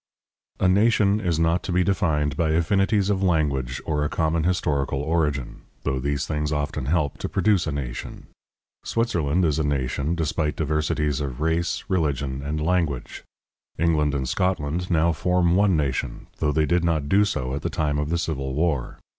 A nation is not to be defined by affinities of language or a common historical origin, though these things often help to produce a nation. Switzerland is a nation, despite diversities of race, religion, and language. England and Scotland now form one nation, though they did not do so at the time of the Civil War.